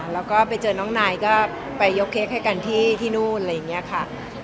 แล้วก็ไปเจอน้องนายก็ไปยกเค้กให้กันที่นู่นอะไรอย่างนี้ค่ะ